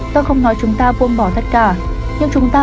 tôi không nói chúng ta buông bỏ tất cả